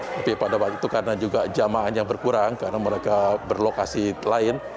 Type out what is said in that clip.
tapi pada waktu itu karena juga jamaahnya berkurang karena mereka berlokasi lain